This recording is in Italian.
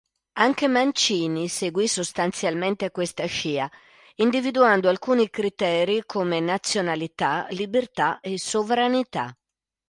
Anche Mancini seguì sostanzialmente questa scia individuando alcuni criteri, come nazionalità, libertà e sovranità.